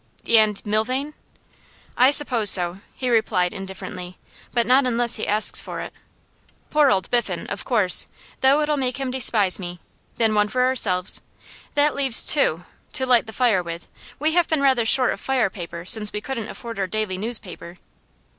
'And Milvain?' 'I suppose so,' he replied indifferently. 'But not unless he asks for it. Poor old Biffen, of course; though it'll make him despise me. Then one for ourselves. That leaves two to light the fire with. We have been rather short of fire paper since we couldn't afford our daily newspaper.